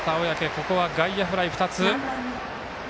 ここは外野フライ２つ。